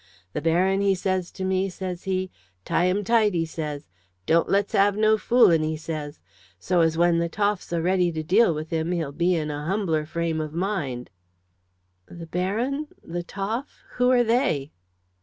The Baron, he says to me, says he, 'Tie 'em tight,' he says, 'don't let's 'ave no fooling,' he says. 'So as when the Toff's a ready to deal with him he'll be in a humbler frame of mind.'" "The Baron? the Toff? who are they?"